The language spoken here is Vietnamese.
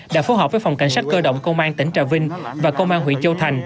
đã phối hợp với phòng cảnh sát cơ động công an tỉnh trà vinh và công an huyện châu thành